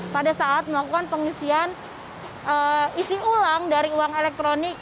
pada saat melakukan pengisian isi ulang dari uang elektronik